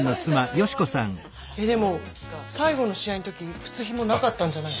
えでも最後の試合の時靴ひもなかったんじゃないの？